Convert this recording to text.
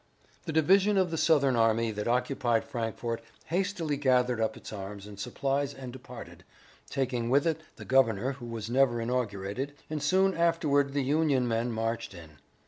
The division of the Southern army that occupied Frankfort hastily gathered up its arms and supplies and departed, taking with it the governor who was never inaugurated, and soon afterward the Union men marched in.